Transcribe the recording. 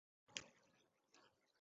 尚不清楚这两个是否为严格子集。